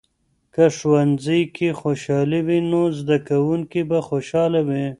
که ښوونځۍ کې خوشحالي وي، نو زده کوونکي به خوشحاله وي.